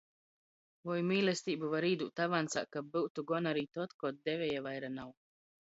Voi mīlesteibu var īdūt avansā, kab byutu gona ari tod, kod devieja vaira nav.